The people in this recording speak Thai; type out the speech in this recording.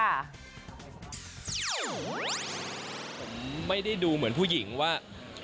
ผมไม่ได้ดูเหมือนผู้หญิงว่า